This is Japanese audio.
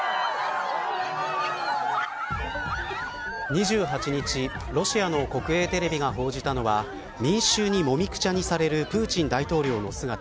２８日、ロシアの国営テレビが報じたのは民衆にもみくちゃにされるプーチン大統領の姿。